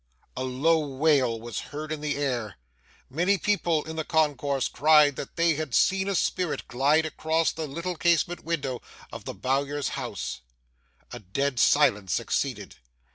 A low wail was heard in the air,—many people in the concourse cried that they had seen a spirit glide across the little casement window of the Bowyer's house— A dead silence succeeded.